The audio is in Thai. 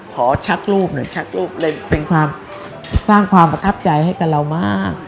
ชักรูปหน่อยชักรูปเลยเป็นความสร้างความประทับใจให้กับเรามาก